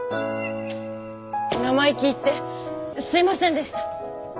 生意気言ってすいませんでした